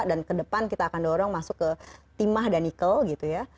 dan kedepan kita akan dorong masuk ke timah dan ikel gitu ya